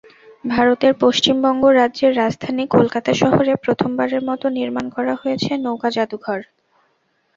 ভারতের পশ্চিমবঙ্গ রাজ্যের রাজধানী কলকাতা শহরে প্রথমবারের মতো নির্মাণ করা হয়েছে নৌকা জাদুঘর।